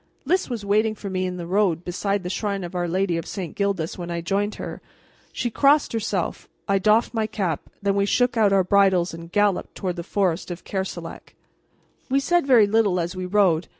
Lys was waiting for me in the road beside the Shrine of Our Lady of St. Gildas when I joined her. She crossed herself, I doffed my cap, then we shook out our bridles and galloped toward the forest of Kerselec. We said very little as we rode.